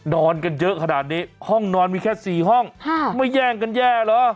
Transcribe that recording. นอนกันเยอะขนาดนี้ห้องนอนมีแค่๔ห้องไม่แย่งกันแย่เหรอ